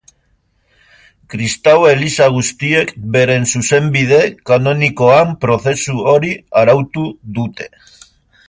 Kristau eliza guztiek beren zuzenbide kanonikoan prozesu hori arautu dute.